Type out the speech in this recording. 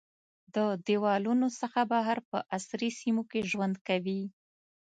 د دیوالونو څخه بهر په عصري سیمو کې ژوند کوي.